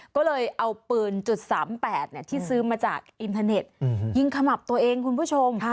ก็เลยเอาปืน๓๘ที่ซื้อมาจากอินเทอร์เน็ตยิงขมับตัวเองคุณผู้ชม